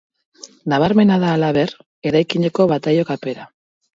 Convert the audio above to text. Nabarmena da, halaber, eraikineko bataio-kapera.